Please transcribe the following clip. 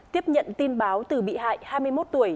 tiếp nhận tin báo từ bị hại hai mươi một tuổi